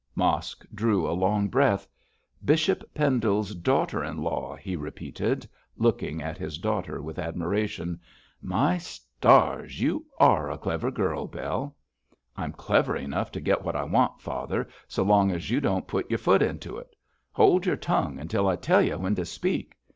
Mosk drew a long breath. 'Bishop Pendle's daughter in law,' he repeated, looking at his daughter with admiration. 'My stars! you are a clever girl, Bell.' 'I'm clever enough to get what I want, father, so long as you don't put your foot into it. Hold your tongue until I tell you when to speak.